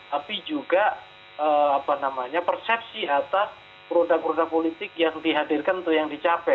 tapi juga persepsi atas produk produk politik yang dihadirkan atau yang dicapai